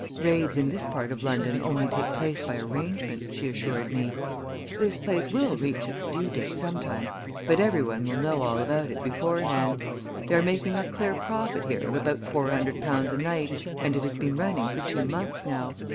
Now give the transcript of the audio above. "Raids in this part of London only take place by arrangement," she assured me. "This place will reach its due date sometime, but every one will know all about it beforehand. They are making a clear profit here of about four hundred pounds a night and it has been running for two months now.